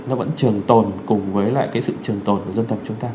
nó vẫn trường tồn cùng với lại cái sự trường tồn của dân tộc chúng ta